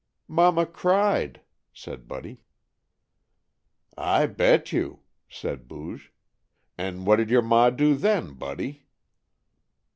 "Mama cried," said Buddy. "I bet you!" said Booge. "And what did your ma do then, Buddy?"